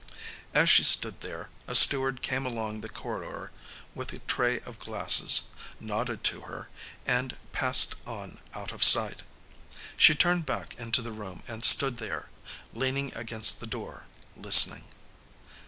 As she stood there, a steward came along the corridor with a tray of glasses, nodded to her, and passed on out of sight. She turned back into the room and stood there, leaning against the door, listening.